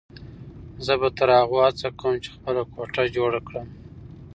زه به تر هغو هڅه کوم چې خپله کوټه جوړه کړم.